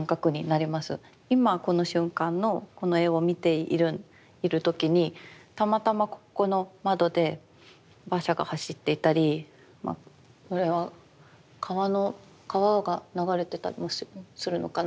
今この瞬間のこの絵を見ている時にたまたまここの窓で馬車が走っていたりこれは川が流れてたりするのかな？